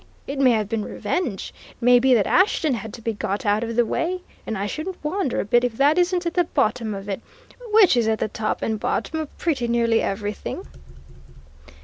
It may have been revenge. It may be that Ashton had to be got out of the way. And I shouldn't wonder a bit if that isn't at the bottom of it, which is at the top and bottom of pretty nearly everything!"